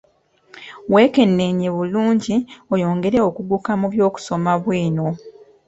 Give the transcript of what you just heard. Wekenneenye bulungi oyongere okukuguka mu by'okusoma bwino.